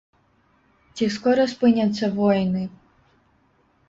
Ці скора спыняцца войны?